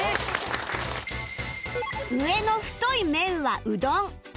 上の太い麺はうどん